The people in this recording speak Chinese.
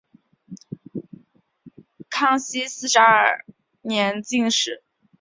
康熙四十二年进士。